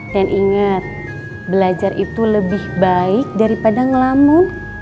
dan ingat belajar itu lebih baik daripada ngelamun